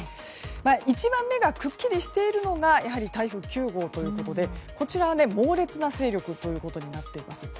一番、目がくっきりしているのが台風９号ということでこちらは猛烈な勢力となっています。